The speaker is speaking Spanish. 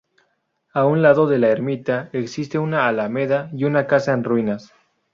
A un lado de la ermita existe una alameda y una casa en ruinas.